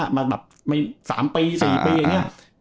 มา๓ปี๔ปีอย่างเงี้ย